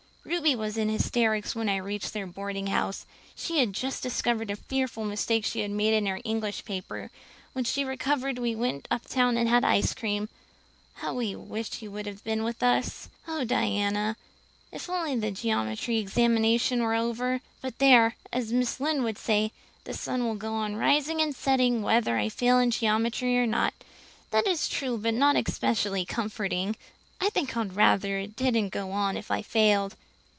"Ruby was in hysterics when I reached their boardinghouse; she had just discovered a fearful mistake she had made in her English paper. When she recovered we went uptown and had an ice cream. How we wished you had been with us. "Oh, Diana, if only the geometry examination were over! But there, as Mrs. Lynde would say, the sun will go on rising and setting whether I fail in geometry or not. That is true but not especially comforting. I think I'd rather it didn't go on if I failed!